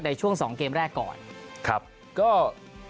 ในช่วงสองเกมแรกก่อน